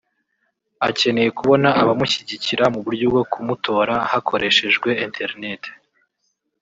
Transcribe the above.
akeneye kubona abamushyigikira mu buryo bwo kumutora hakoreshejwe internet